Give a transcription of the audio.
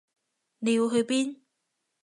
你要去邊？